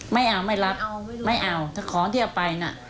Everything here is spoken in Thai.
ไม่เอาไม่รับไม่เอาถ้าของที่เอาไปน่ะ